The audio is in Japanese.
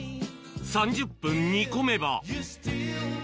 ３０分煮込めば。